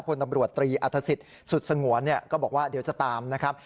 พลตำรวจตรีอัฐศิษย์สุดสงวนก็บอกว่าเดี๋ยวจะตามนะครับ